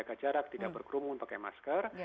jaga jarak tidak berkerumun pakai masker